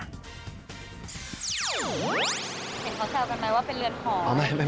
เห็นเขาแซวกันไหมว่าเป็นเรือนหอม